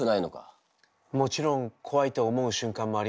もちろん怖いと思う瞬間もあります。